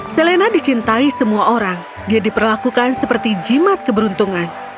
selena dicintai semua orang dia diperlakukan seperti jimat keberuntungan